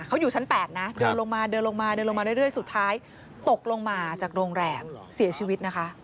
เขาอยู่ชั้น๘นะเดินลงมาด้วยสุดท้ายตกลงมาจากโรงแรมเสียชีวิตนะคะ